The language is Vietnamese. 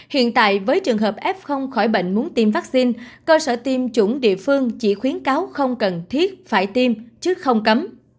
hiện tại với trường hợp f khỏi bệnh muốn tiêm vaccine cơ sở tiêm chủng địa phương chỉ khuyến cáo không cần thiết phải tiêm chứ không cấm